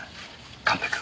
神戸君。